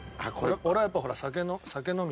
俺はやっぱほら酒の酒飲み。